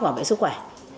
và bảo vệ sức khỏe